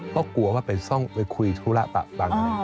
เพราะกลัวว่าไปซ่องไปคุยธุระบางอย่าง